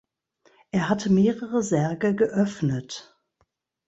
Er hatte mehrere Särge geöffnet.